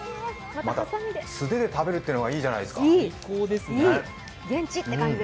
素手で食べるっていうのがいいじゃないですか。